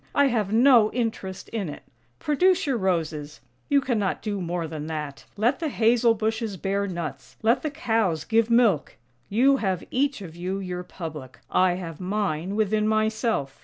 I have no interest in it. Produce your roses — you cannot do more than that — let the hazel bushes bear nuts, let the cows give milk! You have each of you your public; I have mine within myself.